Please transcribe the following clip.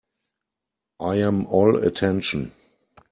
I am all attention.